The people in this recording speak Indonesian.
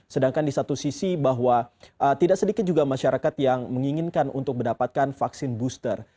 sedangkan di satu sisi bahwa tidak sedikit juga masyarakat yang menginginkan untuk mendapatkan vaksin booster